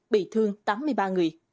bị thương tám mươi ba người